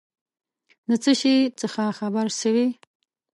د څه شي څخه خبر سوې ؟